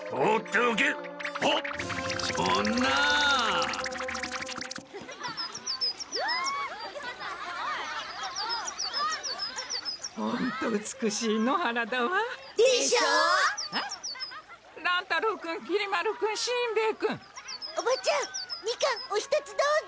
おばちゃんみかんお一つどうぞ。